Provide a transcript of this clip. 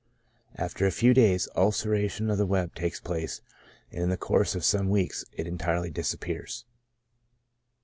After a few days, ulceration cf the web takes place, and in the course of some weeks it entirely disappears.